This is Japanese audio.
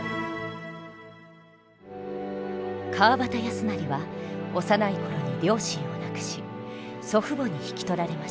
川端康成は幼い頃に両親を亡くし祖父母に引き取られました。